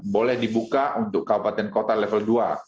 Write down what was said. boleh dibuka untuk kabupaten kota level dua